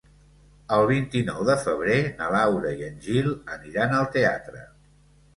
El vint-i-nou de febrer na Laura i en Gil aniran al teatre.